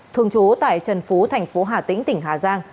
thường trú tại trần phú thành phố hà tĩnh tỉnh hà giang